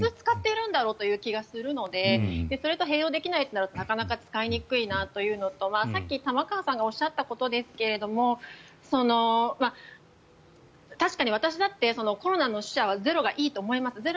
使ってるだろうという気がするのでそれと併用できないとなるとなかなか使いにくいなというのとさっき玉川さんがおっしゃったことですが確かに私だってコロナの死者はゼロがいいと思います。